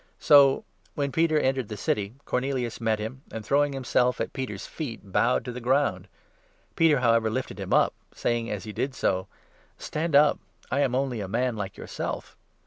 So, when Peter entered the city, Cornelius 25 met him, and, throwing himself at Peter's feet, bowed to the ground. Peter, however, lifted him up, saying as he did so : 26 " Stand up, I am only a man like yourself."